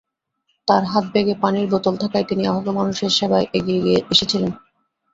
তাঁর হাতব্যাগে পানির বোতল থাকায় তিনি আহত মানুষের সেবার এগিয়ে এসেছিলেন।